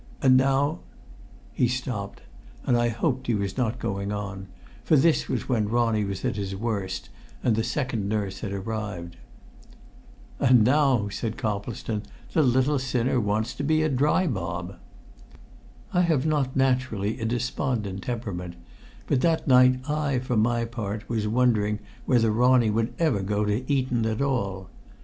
And now " He stopped, and I hoped he was not going on, for this was when Ronnie was at his worst and the second nurse had arrived. "And now," said Coplestone, "the little sinner wants to be a dry bob!" I have not naturally a despondent temperament, but that night I for my part was wondering whether Ronnie would ever go to Eton at all.